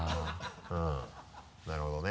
うんなるほどね。